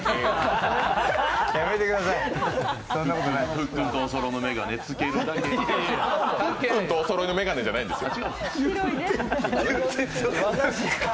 フッくんとおそろいの眼鏡じゃないですよ！